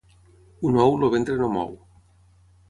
Un ou el ventre no mou.